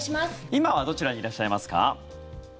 今はどちらにいらっしゃいますか？